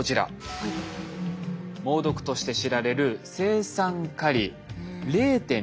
猛毒として知られる青酸カリ０．２グラム。